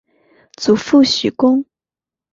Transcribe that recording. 祖父许恭。